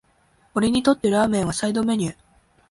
俺にとってラーメンはサイドメニュー